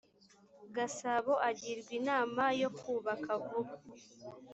gasabo agirwa inama yo kubaka vuba